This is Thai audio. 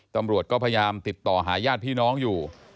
ตำรวจก็พยายามติดต่อหาญาติพี่น้องอยู่